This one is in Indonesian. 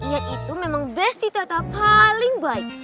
yan itu memang besti tata paling baik